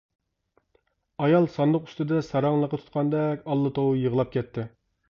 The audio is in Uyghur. ئايال ساندۇق ئۈستىدە ساراڭلىقى تۇتقاندەك ئاللا-توۋا يىغلاپ كەتتى.